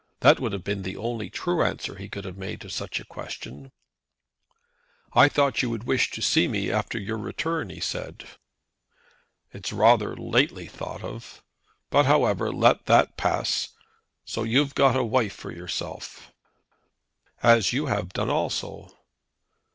That would have been the only true answer he could have made to such a question. "I thought you would wish to see me after your return," he said. "It's rather lately thought of; but, however, let that pass. So you've got a wife for yourself." "As you have done also."